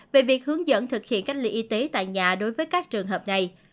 về việc hướng dẫn thực hiện cách ly y tế tại nhà đối với các trường hợp này